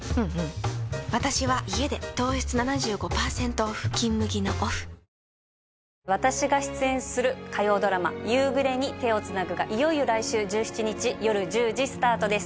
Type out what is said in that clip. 糖質オフってことで私が出演する火曜ドラマ「夕暮れに、手をつなぐ」がいよいよ来週１７日夜１０時スタートです